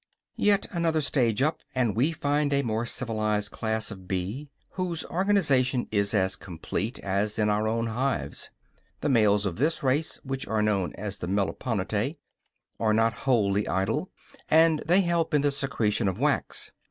Yet another stage up, and we find a more civilized class of bee, whose organization is as complete as in our own hives. The males of this race, which are known as the "Meliponitæ," are not wholly idle, and they help in the secretion of wax.